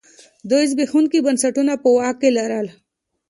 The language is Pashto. دوی زبېښونکي بنسټونه په واک کې لرل.